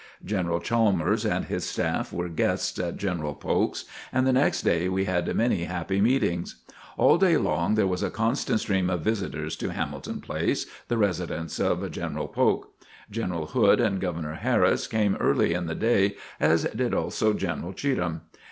General Chalmers and his staff were guests at General Polk's, and the next day we had many happy meetings. All day long there was a constant stream of visitors to Hamilton Place, the residence of General Polk. General Hood and Governor Harris came early in the day as did also General Cheatham.